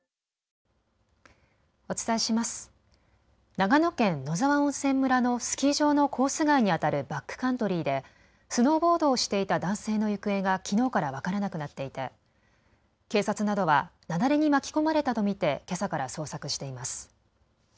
長野県野沢温泉村のスキー場のコース外にあたるバックカントリーでスノーボードをしていた男性の行方がきのうから分からなくなっていて警察などは雪崩に巻き込まれたと見てけさから捜索しています。